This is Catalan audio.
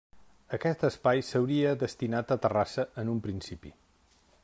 Aquest espai s'hauria destinat a terrassa, en un principi.